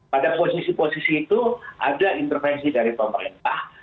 pada posisi posisi itu ada intervensi dari pemerintah